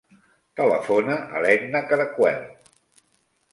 Telefona a l'Edna Caracuel.